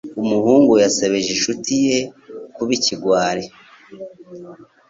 Umuhungu yasebeje inshuti ye kuba ikigwari.